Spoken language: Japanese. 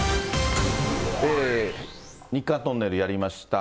日韓トンネルやりました。